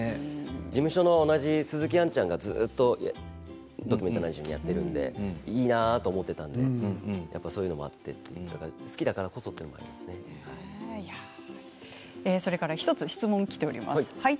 事務所の同じ鈴木杏ちゃんがずっと「ドキュメント７２時間」やってるので、いいなと思ってそういうのもあって好きだからこそというのも１つ質問がきております。